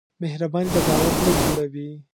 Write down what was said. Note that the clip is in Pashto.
مهرباني د باور پُل جوړوي.